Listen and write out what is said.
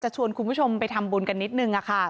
ชวนคุณผู้ชมไปทำบุญกันนิดนึงค่ะ